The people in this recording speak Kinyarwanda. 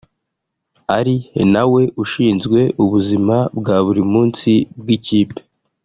ari nawe ushinzwe ubuzima bwa buri munsi bw’ikipe